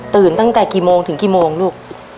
ตั้งแต่กี่โมงถึงกี่โมงลูก